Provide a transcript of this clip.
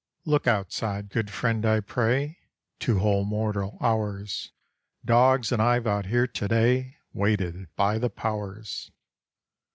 Look outside, good friend, I pray! Two whole mortal hours Dogs and I've out here to day Waited, by the powers!